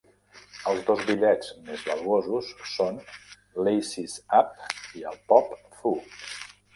Els dos bitllets més valuosos són l'Aces Up i el Pop Fu.